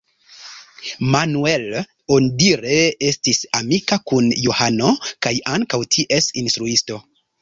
Manuel onidire estis amika kun Johano kaj ankaŭ ties instruisto.